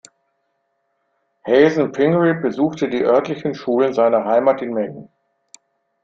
Hazen Pingree besuchte die örtlichen Schulen seiner Heimat in Maine.